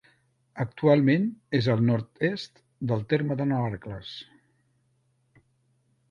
Actualment és al nord-est del terme de Navarcles.